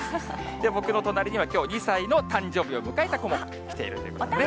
僕の隣にはきょう、２歳の誕生日を迎えた子も来ているということでね。